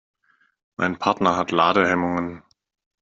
Mein Partner hat Ladehemmungen.